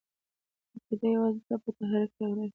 عقیده یوازې تا په تحرک راولي!